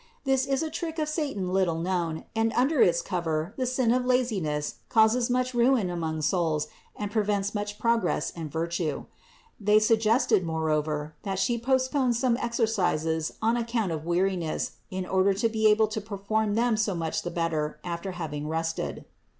This is a trick of satan little known and under its cover the sin of laziness causes 282 CITY OF GOD much ruin among souls and prevents much progress in virtue. They suggested moreover that She postpone some exercises on account of weariness in order to be able to perform them so much the better after having rested.